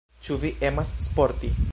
Ĉu vi emas sporti?